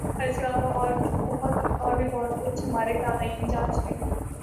اور اس کے علاوہ اور بھی بہت کچھ ہمارے قارئین جان چکے ہیں ۔